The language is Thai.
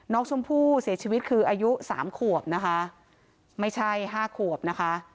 น้องชมพู่เสียชีวิตคืออายุสามขวบนะคะไม่ใช่ห้าขวบนะคะ